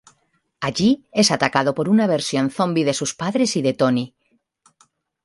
Allí es atacado por una versión zombie de sus padres y de Tony.